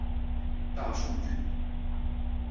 大數據